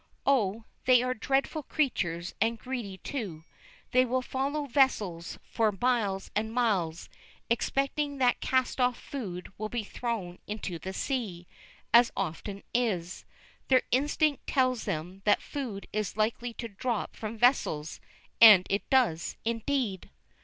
Oh, they are dreadful creatures, and greedy, too. They will follow vessels for miles and miles, expecting that cast off food will be thrown into the sea, as it often is. Their instinct tells them that food is likely to drop from vessels, and it does, indeed.